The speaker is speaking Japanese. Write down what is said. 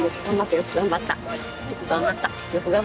よく頑張ったよ。